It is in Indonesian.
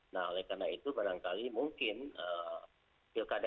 nah oleh karena itu barangkali mungkin pilkada ini juga mengandung kepentingan masyarakat